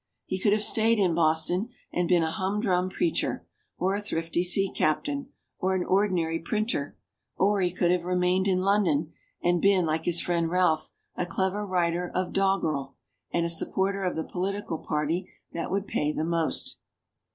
He could have stayed in Boston and been a humdrum preacher, or a thrifty sea captain, or an ordinary printer; or he could have remained in London, and been, like his friend Ralph, a clever writer of doggerel, and a supporter of the political party that would pay the most.